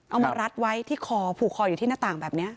มารัดไว้ที่คอผูกคออยู่ที่หน้าต่างแบบนี้